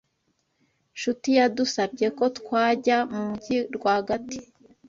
Nshuti yadusabye ko twajya mu mujyi rwagati.